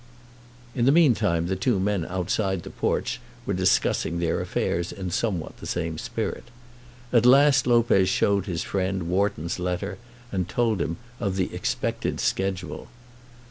In the mean time the two men outside the porch were discussing their affairs in somewhat the same spirit. At last Lopez showed his friend Wharton's letter, and told him of the expected schedule.